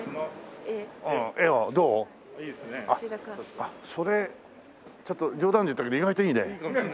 あっそれちょっと冗談で言ったけど意外といいね。